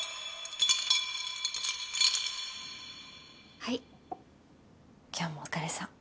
はい今日もお疲れさん。